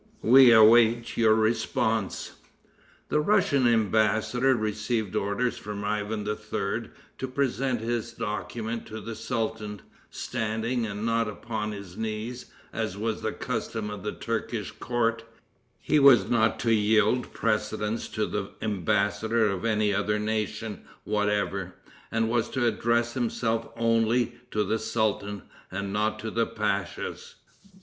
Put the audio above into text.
We await your response." The Russian embassador received orders from Ivan III. to present his document to the sultan, standing, and not upon his knees, as was the custom in the Turkish court; he was not to yield precedence to the embassador of any other nation whatever, and was to address himself only to the sultan, and not to the pachas.